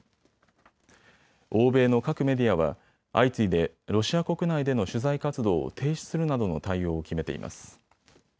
欧米の各メディアは相次いでロシア国内での取材活動を停止するなどの対応を決めています。